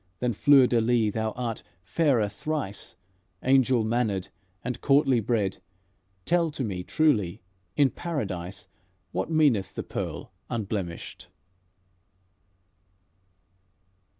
Than fleur de lys thou art fairer thrice, Angel mannered and courtly bred, Tell to me truly: in Paradise What meaneth the pearl unblemished?"